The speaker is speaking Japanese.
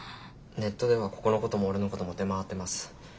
ネットではここのことも俺のことも出回ってます。